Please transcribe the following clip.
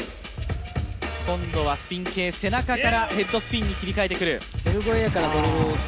今度はスピン系、背中からヘッドスピンに切り替えてくる。